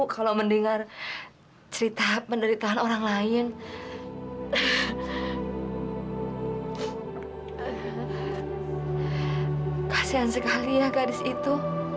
kalau nggak enak nggak mungkin laku